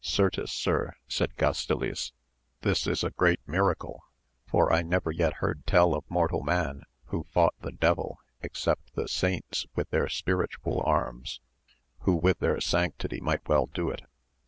Certes sir, said Gastiles, this is a great miracle ! for I never yet heard tell of. mortal man who fought the devil except the saints with their spiritual arms, who with their sanctity might well do it.